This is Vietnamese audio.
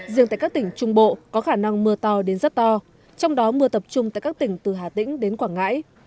riêng tại các tỉnh trung bộ có khả năng mưa to đến rất to trong đó mưa tập trung tại các tỉnh từ hà tĩnh đến quảng ngãi